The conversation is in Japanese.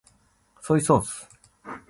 ソイソース